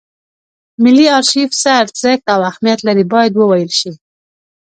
ملي ارشیف څه ارزښت او اهمیت لري باید وویل شي.